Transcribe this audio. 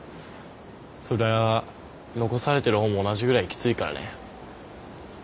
そりゃあ残されてる方も同じぐらいきついからね。